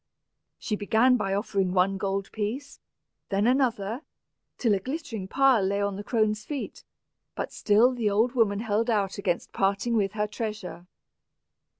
She began by offering one gold piece, then another, till a glittering pile lay at the crone's feet, but still the old woman held out against parting with her treasure.